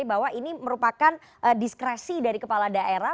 bahwa ini merupakan diskresi dari kepala daerah